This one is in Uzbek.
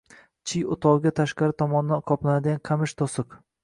Chiy o`tovga tashqari tomondan qoplanadigan qamish to`siq